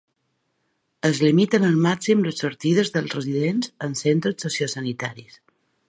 Es limiten al màxim les sortides dels residents en centres sociosanitaris.